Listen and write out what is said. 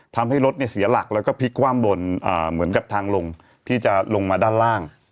ทำให้รถเสียหลักแล้วก็พลิกคว่ำบนเหมือนกับทางลงที่จะลงมาด้านล่าง